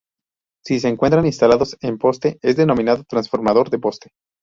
Si se encuentra instalados en poste, es denominado transformador de poste.